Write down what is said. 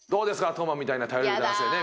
闘真みたいな頼れる男性ね